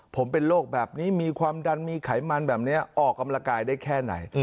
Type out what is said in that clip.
ผมเป็นโรคแบบนี้มีความดันมีไขมันแบบนี้ออกกำลังกายได้แค่ไหน